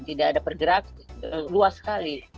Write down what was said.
tidak ada pergerak luas sekali